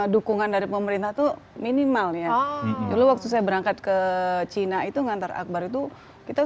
dukungan dari pemerintah tuh minimal ya dulu waktu saya berangkat ke cina itu ngantar akbar itu kita